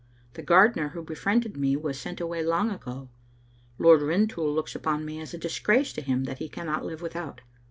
The gardener who befriended me was sent away long ago. Liord Rintoul looks upon me as a disgrace to him that he cannot live without."